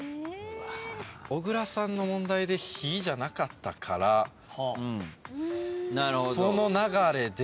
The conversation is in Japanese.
小倉さんの問題で火じゃなかったからその流れで。